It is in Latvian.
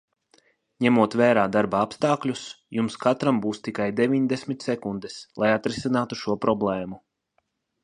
Ņemot vērā darba apstākļus, jums katram būs tikai deviņdesmit sekundes, lai atrisinātu šo problēmu.